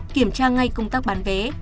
kiểm tra ngay công tác bán vé